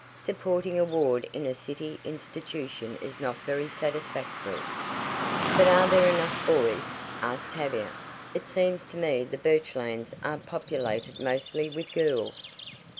Supporting a ward in a city institution is not very satisfactory." "But are there enough boys?" asked Tavia. "It seems to me the Birchlands are populated mostly with girls."